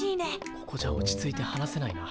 ここじゃ落ち着いて話せないな。